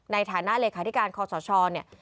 ในฐานะเลขาธิการคอสชเนี่ย